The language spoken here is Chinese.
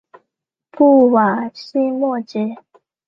布瓦西莫吉。